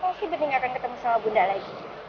mungkin bending akan ketemu sama bunda lagi